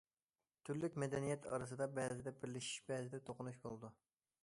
تۈرلۈك مەدەنىيەت ئارىسىدا بەزىدە بىرلىشىش، بەزىدە توقۇنۇش بولىدۇ.